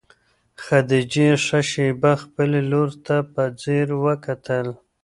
خدیجې ښه شېبه خپلې لور ته په ځیر وکتل.